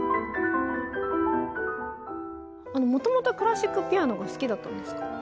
もともとクラシックピアノが好きだったんですか？